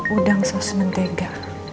udang saus mentega